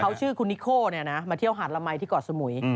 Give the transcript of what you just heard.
เขาชื่อคุณนิโคมาเที่ยวหาดละมัยที่เกาะสมุย